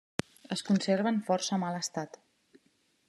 Es conserva en força mal estat.